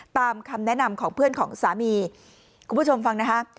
ตามคำแนะนำของเพื่อนของสามีคุณผู้ชมฟังนะคะ